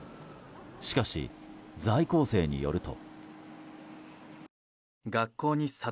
しかし、在校生によると。